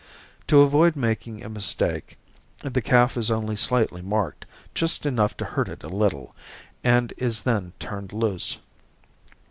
To avoid making a mistake the calf is only slightly marked, just enough to hurt it a little, and is then turned loose.